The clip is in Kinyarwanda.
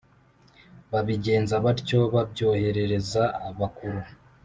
Babigenza batyo babyoherereza abakuru